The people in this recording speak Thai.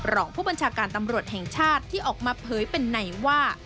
รองผู้บัญชาการตำรวจแห่งชาติที่ออกมาเผยเป็นในว่า